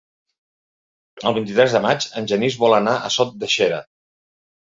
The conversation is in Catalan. El vint-i-tres de maig en Genís vol anar a Sot de Xera.